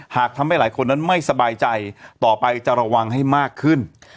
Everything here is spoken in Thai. หากทำให้หลายคนนั้นไม่สบายใจต่อไปจะระวังให้มากขึ้น